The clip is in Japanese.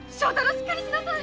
しっかりしなさい！